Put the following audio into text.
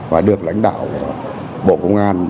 và được lãnh đạo của bộ công an